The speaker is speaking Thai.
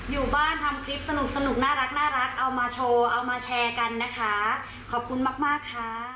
อยู่บ้านทำคลิปสนุกสนุกน่ารักเอามาโชว์เอามาแชร์กันนะคะขอบคุณมากมากค่ะ